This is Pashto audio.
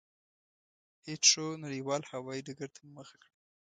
هېترو نړېوال هوایي ډګرته مو مخه کړه.